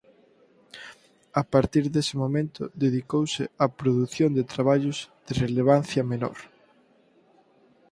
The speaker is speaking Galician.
A partir dese momento dedicouse á produción de traballos de relevancia menor.